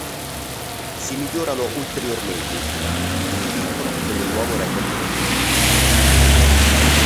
Si migliorano ulteriormente in finale e vincono con il nuovo record del mondo.